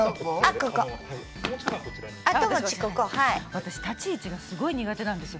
私立ち位置がすごい苦手なんですよ